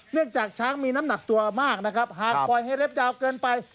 จากช้างมีน้ำหนักตัวมากนะครับหากปล่อยให้เล็บยาวเกินไป